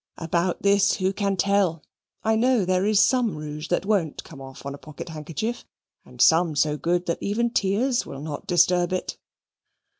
About this who can tell? I know there is some rouge that won't come off on a pocket handkerchief, and some so good that even tears will not disturb it.